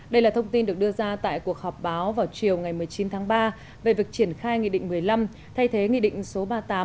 đây là thông tin được đưa ra tại cuộc họp báo vào chiều ngày một mươi chín tháng ba về việc triển khai nghị định một mươi năm thay thế nghị định số ba mươi tám hai nghìn một mươi hai